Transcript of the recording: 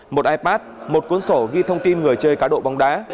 một ipad một cuốn sổ ghi thông tin người chơi cá độ bóng đá